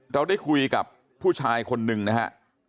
เราได้คุยกับผู้ชายคนนึงนะครับ